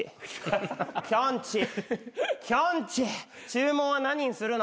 注文は何にするの？